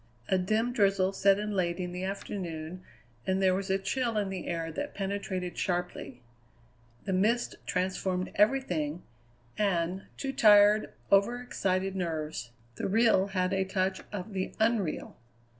A dim drizzle set in late in the afternoon, and there was a chill in the air that penetrated sharply. The mist transformed everything, and, to tired, overexcited nerves, the real had a touch of the unreal.